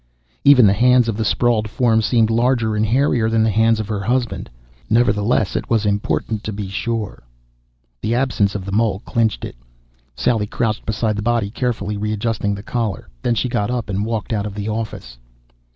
Even the hands of the sprawled form seemed larger and hairier than the hands of her husband. Nevertheless it was important to be sure ... The absence of the mole clinched it. Sally crouched beside the body, carefully readjusting the collar. Then she got up and walked out of the office.